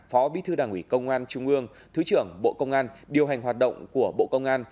phó bí thư đảng ủy công an trung ương thứ trưởng bộ công an điều hành hoạt động của bộ công an